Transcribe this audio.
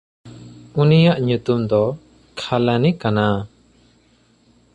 ᱩᱱᱤᱭᱟᱜ ᱧᱩᱛᱩᱢ ᱫᱚ ᱠᱷᱟᱞᱟᱱᱤ ᱠᱟᱱᱟ᱾